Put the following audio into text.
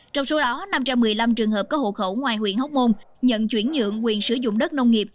trong số đó năm trăm một mươi năm trường hợp có hộ khẩu ngoài huyện hóc môn nhận chuyển nhượng quyền sử dụng đất nông nghiệp